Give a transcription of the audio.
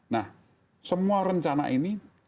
nah semua rencana ini